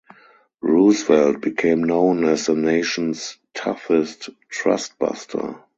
Roosevelt became known as the nation's toughest trust-buster.